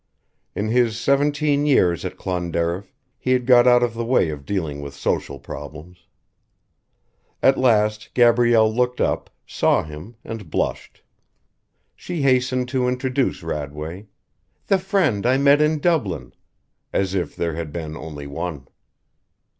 In his seventeen years at Clonderriff he had got out of the way of dealing with social problems. At last Gabrielle looked up, saw him, and blushed. She hastened to introduce Radway: "The friend I met in Dublin" ... as if there had been only one.